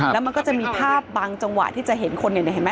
แล้วมันก็จะมีภาพบางจังหวะที่จะเห็นคนเห็นไหม